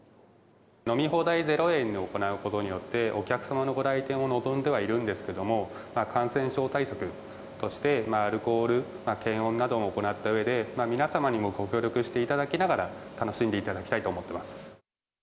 飲み放題０円で行うことによって、お客様のご来店を望んではいるんですけれども、感染症対策として、アルコール、検温なども行ったうえで、皆様にもご協力していただきながら、楽しんでいただきたいと思っています。